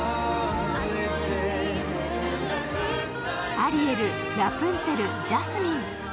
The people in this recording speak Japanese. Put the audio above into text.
アリエル、ラプンツェル、ジャスミン。